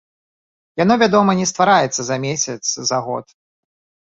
Яно, вядома, не ствараецца за месяц, за год.